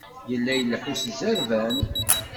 Yella ileḥḥu s zzerban.